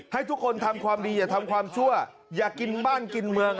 ให้ทุกคนทำความดีอย่าทำความชั่วอย่ากินบ้านกินเมือง